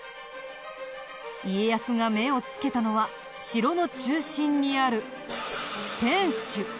家康が目をつけたのは城の中心にある天守。